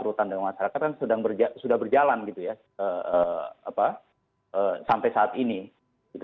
rutan dengan masyarakat kan sudah berjalan sampai saat ini